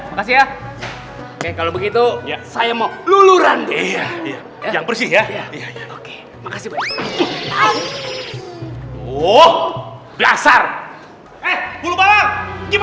ya makasih ya oke kalau begitu saya mau lulurandi yang bersih ya makasih banyak